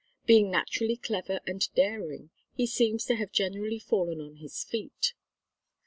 Being naturally clever and daring he seems to have generally fallen on his feet.